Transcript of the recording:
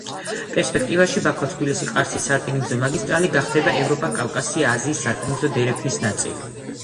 პერსპექტივაში ბაქო-თბილისი-ყარსის სარკინიგზო მაგისტრალი გახდება ევროპა-კავკასია-აზიის სარკინიგზო დერეფნის ნაწილი.